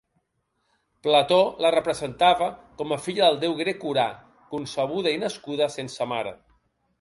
Plató la representava com a filla del déu grec Urà, concebuda i nascuda sense mare.